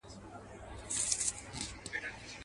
چي پر ستوني به یې زور وکړ یو نوکی.